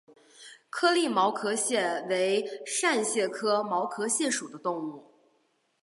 颗粒毛壳蟹为扇蟹科毛壳蟹属的动物。